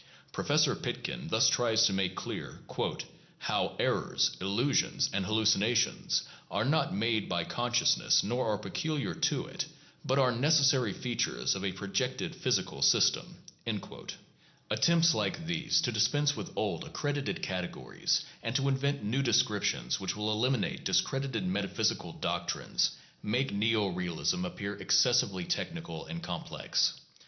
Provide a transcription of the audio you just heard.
Pro fessor Pitkin thus tries to make clear "how errors, illusions, and hallucinations are not made by consciousness nor are peculiar to it, but are necessary features of a projected physical system" (p. 377). Attempts like these to dispense with old accredited categories and to invent new descriptions which will eliminate discredited meta physical doctrines, make neo realism appear excessively technical and complex.